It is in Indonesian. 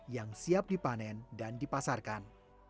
yang siap dipanen dan dipasarkan